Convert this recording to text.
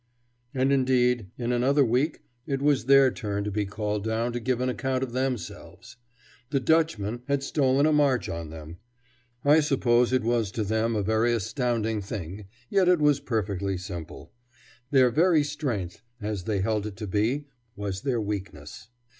And, indeed, in another week it was their turn to be called down to give an account of themselves. The "Dutchman" had stolen a march on them. I suppose it was to them a very astounding thing, yet it was perfectly simple. Their very strength, as they held it to be, was their weakness.